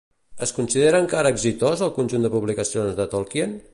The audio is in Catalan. Es considera encara exitós el conjunt de publicacions de Tolkien?